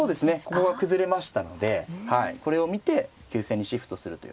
ここが崩れましたのでこれを見て急戦にシフトするというようなね。